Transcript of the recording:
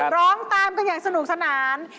ร้องตามกันอย่างสนุกสนาน